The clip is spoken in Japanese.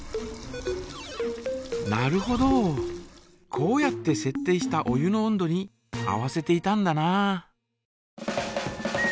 こうやってせっ定したお湯の温度に合わせていたんだな。